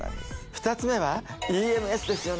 ２つ目はＥＭＳですよね